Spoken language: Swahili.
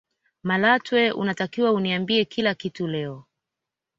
malatwe unatakiwa uniambie kila kitu leo